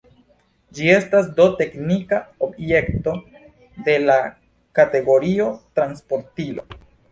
Ĝi estas do teknika objekto, de la kategorio «transportilo».